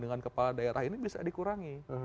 dengan kepala daerah ini bisa dikurangi